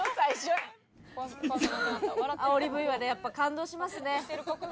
煽りＶはねやっぱ感動しますね。